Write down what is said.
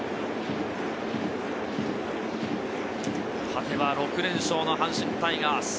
勝てば６連勝の阪神タイガース。